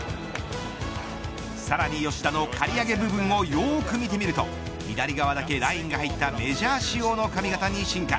さらに吉田の刈り上げ部分をよく見てみると左側だけラインが入ったメジャー仕様の髪型に進化。